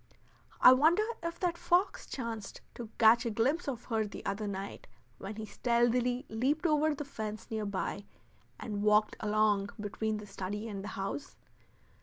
I wonder if that fox chanced to catch a glimpse of her the other night when he stealthily leaped over the fence near by and walked along between the study and the house?